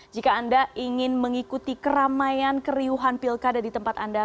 jika anda ingin mengikuti keramaian keriuhan pilkada di tempat anda